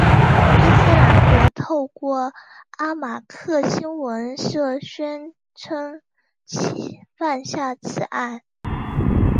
伊斯兰国透过阿马克新闻社宣称其犯下此案。